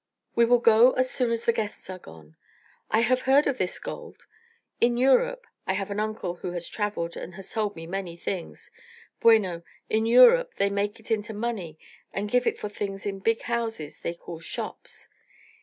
"We will go as soon as the guests are gone. I have heard of this 'gold.' In Europe I have an uncle who has travelled and has told me many things bueno, in Europe, they make it into money and give it for things in big houses they call shops.